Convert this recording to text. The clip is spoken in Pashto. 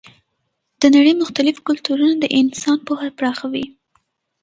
د نړۍ مختلف کلتورونه د انسان پوهه پراخوي.